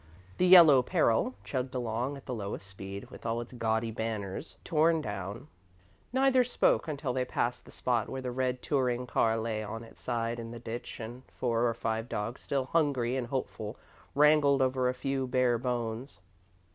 "The Yellow Peril" chugged along at the lowest speed with all its gaudy banners torn down. Neither spoke until they passed the spot where the red touring car lay on its side in the ditch, and four or five dogs, still hungry and hopeful, wrangled over a few bare bones.